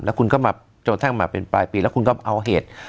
แล้วคุณก็มาจนทั้งมาเป็นปลายปีแล้วคุณก็เอาเหตุ